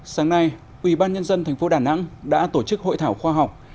sáng nay ủy ban nhân dân tp đà nẵng đã tổ chức hội thảo khoa học